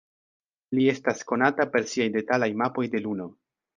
Li estas konata por siaj detalaj mapoj de Luno.